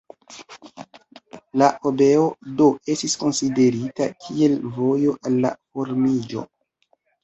La obeo, do, estis konsiderita kiel vojo al la formiĝo.